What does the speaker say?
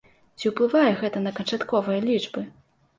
Ці ўплывае гэта на канчатковыя лічбы?